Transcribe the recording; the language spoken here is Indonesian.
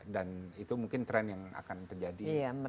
dan itu mungkin tren yang akan terjadi